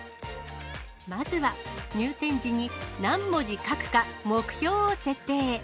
まずは、入店時に何文字書くか目標を設定。